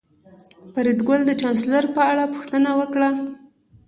فریدګل د چانسلر په اړه پوښتنه وکړه